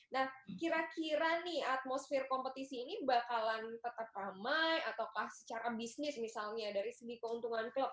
nah kira kira nih atmosfer kompetisi ini bakalan tetap ramai ataukah secara bisnis misalnya dari segi keuntungan klub